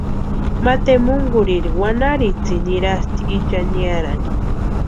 Ma tempunkurhiri wanarhitsini nirasti Ichan niarani.